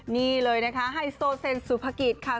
นี่เลยนะคะไฮโซเซนสุภกิจค่ะ